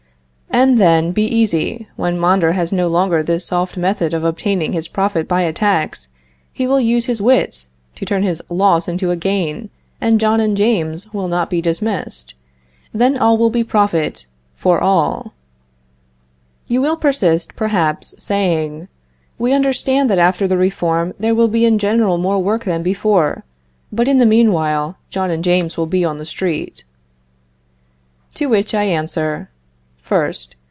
And, then, be easy, when Mondor has no longer this soft method of obtaining his profit by a tax, he will use his wits to turn his loss into a gain, and John and James will not be dismissed. Then all will be profit for all. You will persist, perhaps, saying: "We understand that after the reform there will be in general more work than before, but in the meanwhile John and James will be on the street." To which I answer: First.